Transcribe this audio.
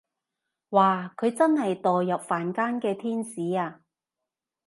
哇佢真係墮入凡間嘅天使啊